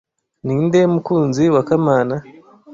Ninde mukunzi wa Kamana